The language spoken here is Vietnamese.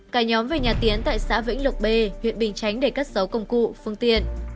cả nhóm về nhà tiến tại xã vĩnh lộc b huyện bình chánh để cất dấu công cụ phương tiện